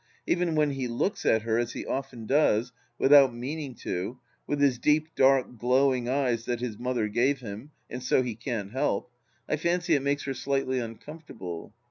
Even when he looks at her, as he often does, without meaning to, with his deep, dark, glowing eyes that his mother gave him and so he can't help, I fancy it makes her slightly uncomfortable.